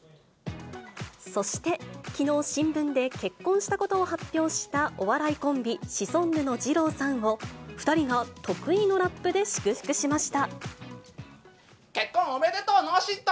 そして、きのう新聞で結婚したことを発表したお笑いコンビ、シソンヌのじろうさんを、２人が結婚おめでとう脳震とう。